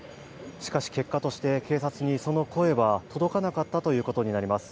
しかし、結果として警察にその声は届かなかったということになります。